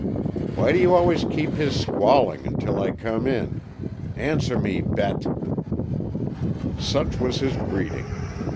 Why do you always keep his squalling until I come in? Answer me, Bete!" Such was his greeting.